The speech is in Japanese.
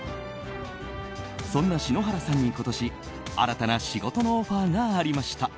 そんな篠原さんに今年、新たな仕事のオファーがありました。